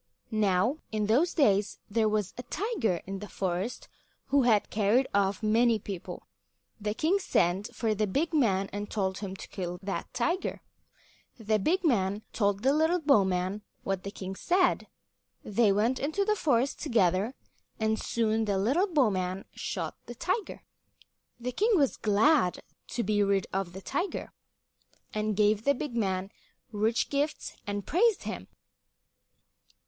Now in those days there was a tiger in the forest who had carried off many people. The king sent for the big man and told him to kill that tiger. The big man told the little bowman what the king said. They went into the forest together, and soon the little bowman shot the tiger. The king was glad to be rid of the tiger, and gave the big man rich gifts and praised him.